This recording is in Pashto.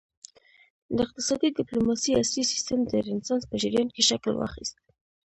د اقتصادي ډیپلوماسي عصري سیسټم د رینسانس په جریان کې شکل واخیست